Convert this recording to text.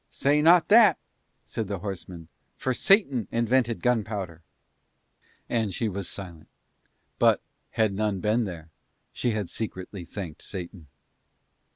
"Say not that," said the horseman, "for Satan invented gunpowder." And she was silent; but, had none been there, she had secretly thanked Satan.